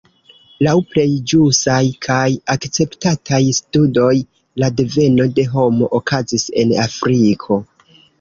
Laŭ plej ĵusaj kaj akceptataj studoj la deveno de homo okazis en Afriko.